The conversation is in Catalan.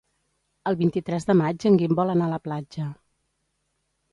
El vint-i-tres de maig en Guim vol anar a la platja.